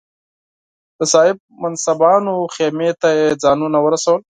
د صاحب منصبانو خېمې ته یې ځانونه ورسول.